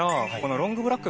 ロングブラック？